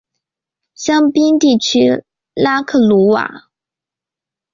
香槟地区拉克鲁瓦。